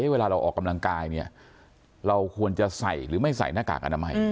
เวลาเราออกกำลังกายเนี่ยเราควรจะใส่หรือไม่ใส่หน้ากากอนามัย